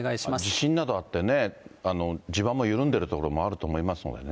地震などあってね、地盤も緩んでいる所もあると思いますのでね。